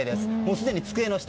すでに机の下。